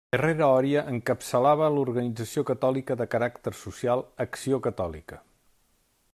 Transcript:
Herrera Oria encapçalava l'organització catòlica de caràcter social Acció Catòlica.